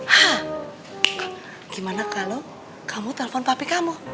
hah gimana kalau kamu telpon papi kamu